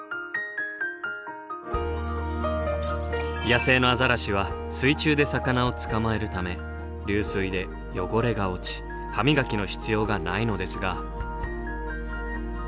野生のアザラシは水中で魚を捕まえるため流水で汚れが落ち歯磨きの必要がないのですが。